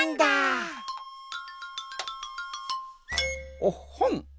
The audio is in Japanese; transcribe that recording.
おっほん！